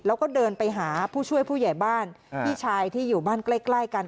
แล้วก็เดินไปหาผู้ช่วยผู้ใหญ่บ้านพี่ชายที่อยู่บ้านใกล้กัน